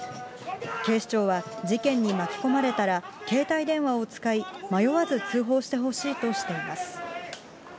警視庁は、事件に巻き込まれたら、携帯電話を使い、迷わず通報してほしいとしています。